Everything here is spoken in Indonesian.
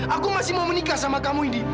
aku masih mau menikah sama kamu ini